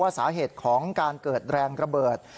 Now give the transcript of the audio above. สาเหตุของการเกิดแรงระเบิด